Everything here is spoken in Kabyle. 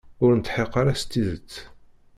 Ur netḥeqq ara s tidet.